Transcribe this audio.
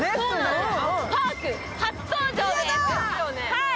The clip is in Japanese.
パーク初登場です。